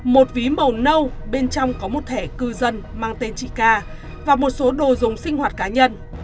một ví màu nâu bên trong có một thẻ cư dân mang tên chị ca và một số đồ dùng sinh hoạt cá nhân